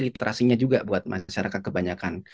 literasinya juga buat masyarakat kebanyakan